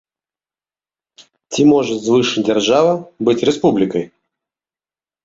Ці можа звышдзяржава быць рэспублікай?